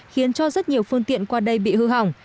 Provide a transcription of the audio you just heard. khiến cho rất nhiều phương tiện qua đây bị hư hỏng